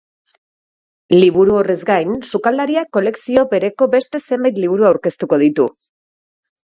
Liburu horrez gain, sukaldariak kolekzio bereko beste zenbait liburu aurkeztuko ditu.